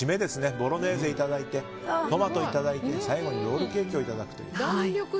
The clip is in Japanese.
ボロネーゼをいただいてトマトいただいて最後にロールケーキをいただくと。